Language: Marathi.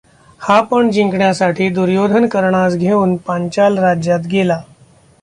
हा पण जिंकण्यासाठी दुर्योधन कर्णास घेऊन पांचाल राज्यात गेला.